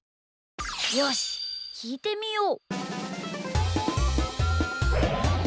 よしきいてみよう。